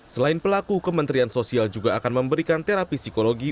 selain pelaku kementerian sosial juga akan memberikan terapi psikologi